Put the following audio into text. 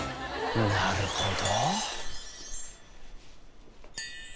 なるほど。